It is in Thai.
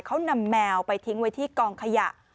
เขานำแมวไปทิ้งไว้ที่กองขยะ